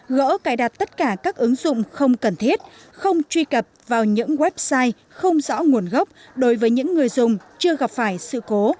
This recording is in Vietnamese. gỡ cài đặt tất cả các ứng dụng không cần thiết không truy cập vào những website không rõ nguồn gốc đối với những người dùng chưa gặp phải sự cố